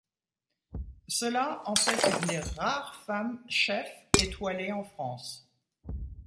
Cela en fait une des rares femmes chef étoilée en France.